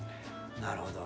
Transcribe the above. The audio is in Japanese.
なるほど。